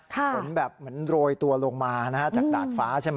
เหมือนแบบเหมือนโรยตัวลงมาจากดาดฟ้าใช่ไหม